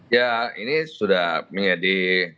ya ini sudah menjadi